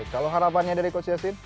kalau harapannya dari coach yassin